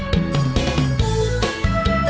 เพราะว่าที่เราจะให้ราคาได้ลืมคือผู้ซึ่งสำเร็จแล้ว